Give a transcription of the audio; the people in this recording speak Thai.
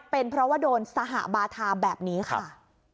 เป็นเพราะว่าโดนสหบาทาแบบนี้ค่ะ